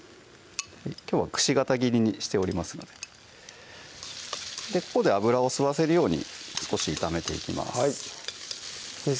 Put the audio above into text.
きょうはくし形切りにしておりますのでここで油を吸わせるように少し炒めていきます先生